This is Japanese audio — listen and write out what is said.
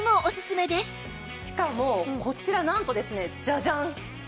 しかもこちらなんとですねジャジャン！